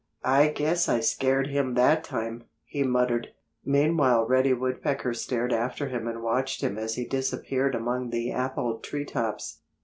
"I guess I scared him that time," he muttered. Meanwhile Reddy Woodpecker stared after him and watched him as he disappeared among the apple tree tops.